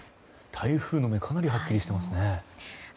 台風の目かなりはっきりしていますね。